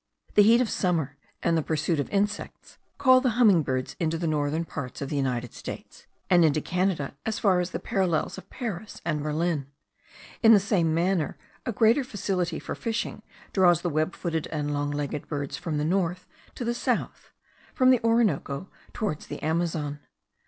The heat of summer, and the pursuit of insects, call the humming birds into the northern parts of the United States, and into Canada as far as the parallels of Paris and Berlin: in the same manner a greater facility for fishing draws the web footed and long legged birds from the north to the south, from the Orinoco towards the Amazon.